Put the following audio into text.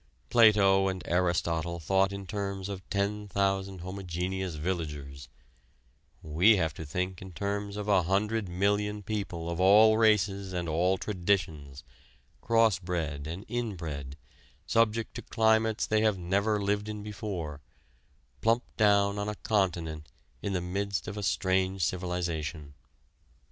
Plato and Aristotle thought in terms of ten thousand homogeneous villagers; we have to think in terms of a hundred million people of all races and all traditions, crossbred and inbred, subject to climates they have never lived in before, plumped down on a continent in the midst of a strange civilization.